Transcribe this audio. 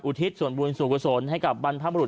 อุทิศส่วนบุญสูงสนให้กับบรรพมรุษ